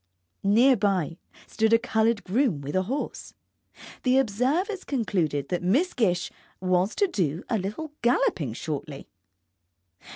Near by stood a coloured groom with a horse. The observers concluded that Miss Gish was to do a little galloping shortly.